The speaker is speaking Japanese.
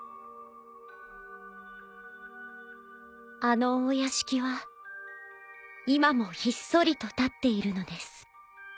［あのお屋敷は今もひっそりと立っているのです］